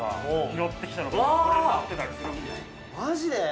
マジで？